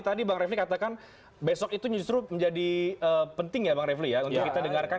tadi bang refli katakan besok itu justru menjadi penting ya bang refli ya untuk kita dengarkan